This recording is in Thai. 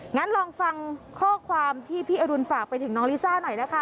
งั้นลองฟังข้อความที่พี่อรุณฝากไปถึงน้องลิซ่าหน่อยนะคะ